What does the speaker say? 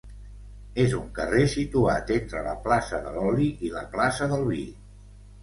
És un carrer situat entre la plaça de l'Oli i la plaça del Vi.